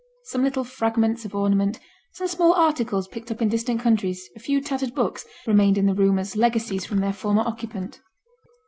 Some little fragments of ornament, some small articles picked up in distant countries, a few tattered books, remained in the rooms as legacies from their former occupant.